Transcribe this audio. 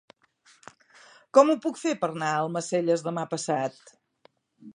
Com ho puc fer per anar a Almacelles demà passat?